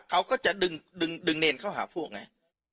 เขาก็จะดึงเนรเข้าหาพวกไง